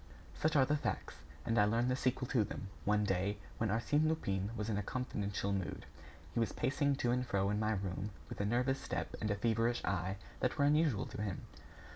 Such are the facts; and I learned the sequel to them, one day, when Arsène Lupin was in a confidential mood. He was pacing to and fro in my room, with a nervous step and a feverish eye that were unusual to him.